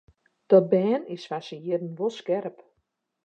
Dat bern is foar syn jierren wol skerp.